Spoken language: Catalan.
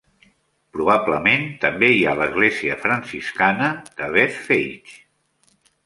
Probablement també hi ha l'església franciscana de Bethphage.